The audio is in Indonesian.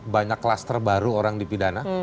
banyak klaster baru orang dipidana